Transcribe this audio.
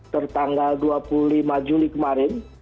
tertanggal dua puluh lima juli kemarin